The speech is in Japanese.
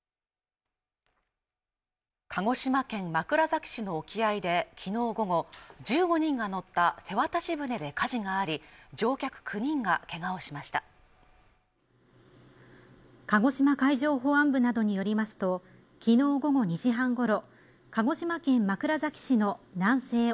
鹿児島県枕崎市の沖合できのう午後１５人が乗った瀬渡し船で火事があり乗客９人がけがをしました鹿児島海上保安部などによりますときのう午後２時半ごろ鹿児島県枕崎市の南西